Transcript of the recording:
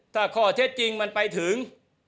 ถ้าข้อเท็จจริงมันไปถึง